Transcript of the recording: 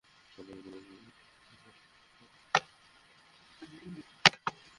তারপর একটু পানিসহ মুখে দুই হাতের তালুতে গ্লিসারিন নিয়ে হালকা করে লাগান।